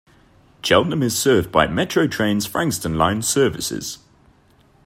Cheltenham is served by Metro Trains' Frankston line services.